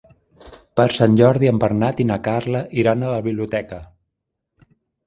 Per Sant Jordi en Bernat i na Carla iran a la biblioteca.